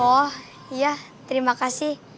oh iya terima kasih